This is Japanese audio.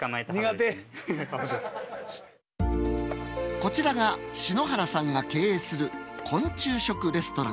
こちらが篠原さんが経営する昆虫食レストラン。